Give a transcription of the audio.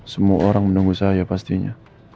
semua orang menunggu saya pastinya